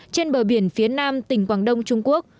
trên bờ biển phía nam tỉnh quảng đông trung quốc